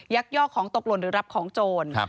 ยอกของตกหล่นหรือรับของโจร